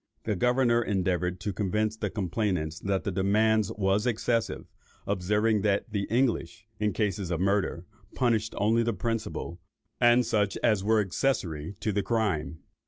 The governor endeavoured to convince the complainants that the demand was excessive, observing that the English, in cases of murder, punished only the principal, and such as were accessary to the crime.